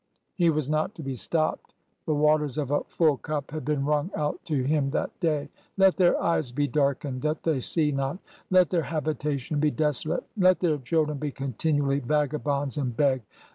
" He was not to be stopped. The waters of a full cup had been wrung out to him that day. ' Let their eyes be darkened, that they see not 1 ... Let their habitation be desolate! ... Let their children be continually vagabonds and beg